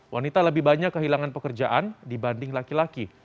wanita lebih banyak kehilangan pekerjaan dibanding laki laki